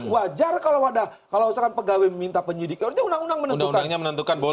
wajar kalau ada kalau usahakan pegawai minta penyidik ya udah dia undang undang menentukan